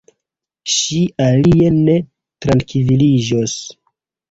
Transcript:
Ŝi alie ne trankviliĝos.